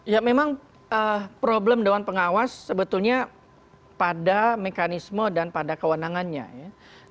ya memang problem dewan pengawas sebetulnya pada mekanisme dan pada kewenangannya ya